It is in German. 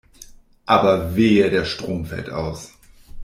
Aber wehe, der Strom fällt aus.